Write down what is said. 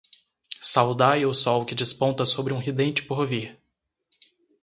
Saudai o Sol que desponta sobre um ridente porvir